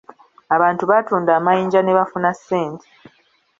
Abantu baatunda amayinja ne bafuna ssente.